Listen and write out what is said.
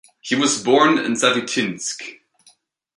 He was born in Zavitinsk.